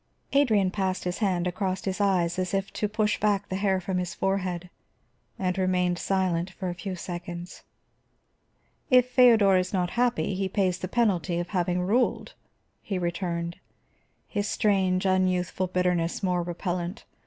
Adrian passed his hand across his eyes as if to push back the hair from his forehead, and remained silent for a few seconds. "If Feodor is not happy, he pays the penalty of having ruled," he returned, his strange unyouthful bitterness most repellant.